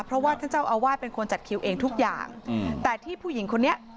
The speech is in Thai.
เพราะว่าท่านเจ้าอาวาสเป็นคนจัดคิวเองทุกอย่างแต่ที่ผู้หญิงคนนี้